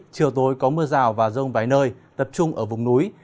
chiều tối có mưa rào và rông vài nơi tập trung ở vùng núi